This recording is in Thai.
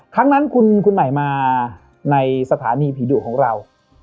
ครั้งนั้นคุณใหม่มาในสถานีผีดุของเรา